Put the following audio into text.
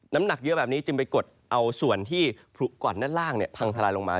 น้ำหนักเยอะแบบนี้จึงไปกดเอาส่วนที่ผลุก่อนด้านล่างพังทลายลงมา